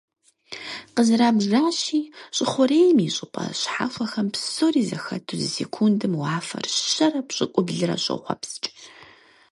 Къызэрабжащи, щӏы хъурейм и щӀыпӀэ щхьэхуэхэм псори зэхэту зы секундым уафэр щэрэ пщӏыукӏублырэ щохъуэпскӀ.